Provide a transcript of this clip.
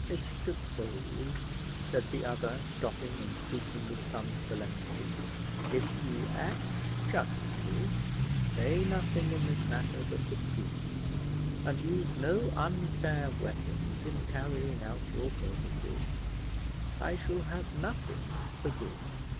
"Mr Bold," said the other, stopping, and speaking with some solemnity, "if you act justly, say nothing in this matter but the truth, and use no unfair weapons in carrying out your purposes, I shall have nothing to forgive.